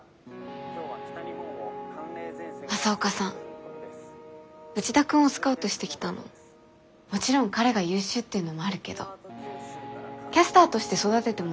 朝岡さん内田君をスカウトしてきたのもちろん彼が優秀っていうのもあるけどキャスターとして育ててもいいなって思ったからですよね。